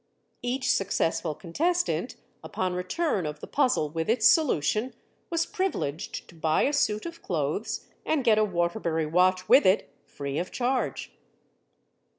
Each successful contestant, upon return of the puzzle with its solution, was privileged to buy a suit of clothes and get a Waterbury watch with it free of charge.